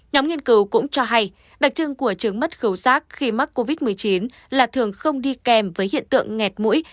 nhóm nghiên cứu cũng cho hay đặc trưng của chứng mất khẩu giác khi mắc covid một mươi chín là thường không đi kèm với hiện tượng nghẹt mũi